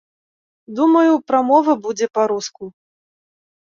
Думаю, прамова будзе па-руску.